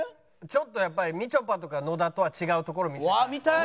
ちょっとやっぱりみちょぱとか野田とは違うところ見せたい。